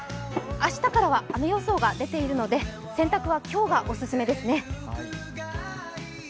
明日からは雨予想が出ているので、洗濯は今日がオススメですね。